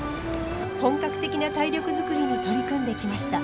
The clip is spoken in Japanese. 本格的な体力作りに取り組んできました。